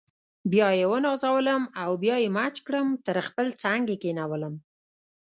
بیا یې ونازولم او بیا یې مچ کړم تر خپل څنګ یې کښېنولم.